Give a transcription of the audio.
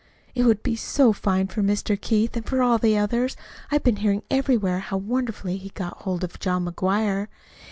"It would be so fine for Mr. Keith, and for all the others. I've been hearing everywhere how wonderfully he got hold of John McGuire."